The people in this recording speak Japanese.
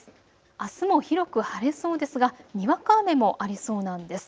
あすも広く晴れそうですがにわか雨もありそうなんです。